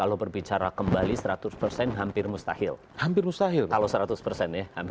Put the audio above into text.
atau bahkan juga ini